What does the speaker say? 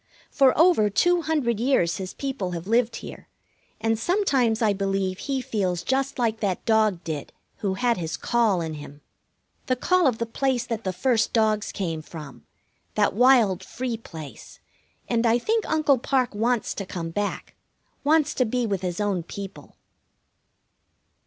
For over two hundred years his people have lived here, and sometimes I believe he feels just like that dog did who had his call in him. The call of the place that the first dogs came from, that wild, free place, and I think Uncle Parke wants to come back, wants to be with his own people.